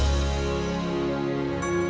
saya gak mau kehilangan kamu